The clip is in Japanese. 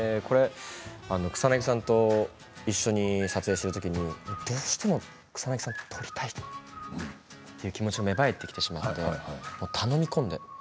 草なぎさんと一緒に撮影をしているときにどうしても草なぎさんを撮りたいという気持ちが芽生えてきてしまって、頼み込んで。